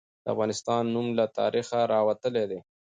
د افغانستان نوم له تاریخه راوتلي ده.